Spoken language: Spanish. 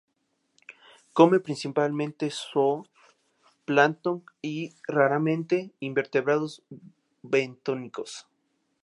Come principalmente zoo plancton y, raramente, invertebrados bentónicos.